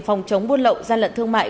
phòng chống buôn lậu gian lận thương mại